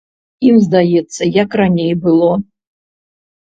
Ім здаецца, як раней было!